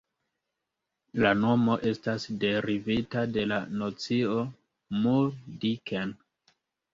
La nomo estas derivita de la nocio "moor-dicken".